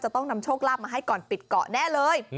ต้องนำโชคลาภมาให้ก่อนปิดเกาะแน่เลย